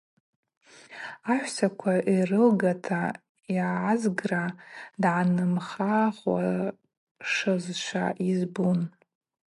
Ахӏвссаква йрылгата йгӏазгра дгӏанымхахуашызшва йызбун.